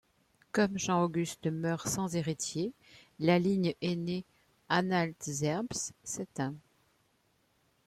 Comme Jean Auguste meurt sans héritier, la lignée ainée d'Anhalt-Zerbst s'éteint.